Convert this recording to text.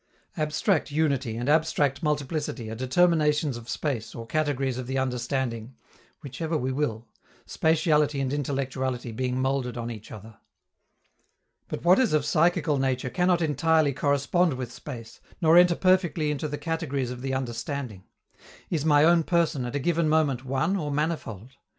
Abstract unity and abstract multiplicity are determinations of space or categories of the understanding, whichever we will, spatiality and intellectuality being molded on each other. But what is of psychical nature cannot entirely correspond with space, nor enter perfectly into the categories of the understanding. Is my own person, at a given moment, one or manifold?